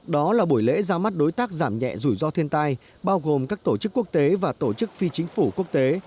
đó là buổi lễ ra mắt đối tác giảm nhẹ rủi ro thiên tai bao gồm các tổ chức quốc tế và tổ chức phi chính phủ quốc tế